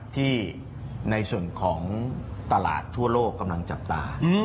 ที่ในส่วนของตลาดทั่วโลกกำลังจับตา